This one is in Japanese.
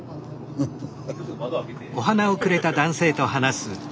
フフフッ！